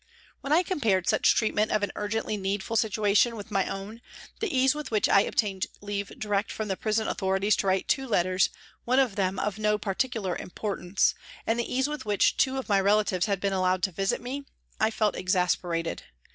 When I compared such treatment of an urgently needful situation with my own, the ease with which I obtained leave direct from the prison authorities to write two letters, one of them of no particular importance, and the ease with which two of my relatives had been allowed to visit me, I felt exasperated.